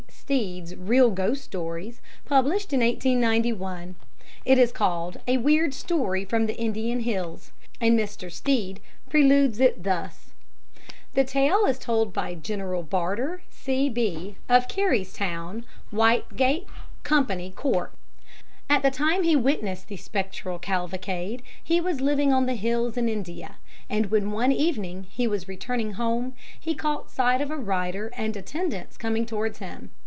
Stead's Real Ghost Stories, published in 1891. It is called "A Weird Story from the Indian Hills," and Mr. Stead preludes it thus: The "tale is told by General Barter, C.B., of Careystown, Whitegate, Co. Cork. At the time he witnessed the spectral cavalcade he was living on the hills in India, and when one evening he was returning home he caught sight of a rider and attendants coming towards him.